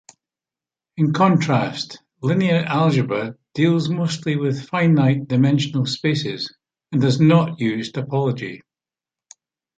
In contrast, linear algebra deals mostly with finite-dimensional spaces, and does not use topology.